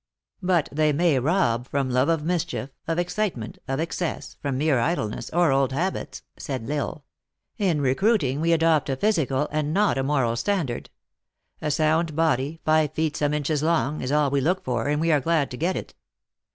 " But they may rob from love of mischief, of ex citement, of excess, from mere idleness, or old habits," said L Isle. " In recruiting we adopt a physical, and not a moral standard. A sound body, five feet some inches long, is all we look for, and we are glad to get it.